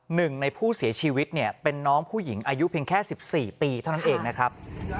หนึ่งในผู้เสียชีวิตเนี่ยเป็นน้องผู้หญิงอายุเพียงแค่๑๔ปีเท่านั้นเองนะครับ